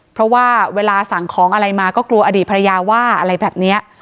เพราะว่าเวลาสั่งของอะไรมาก็กลัวอดีตภรรยาว่าอะไรแบบนี้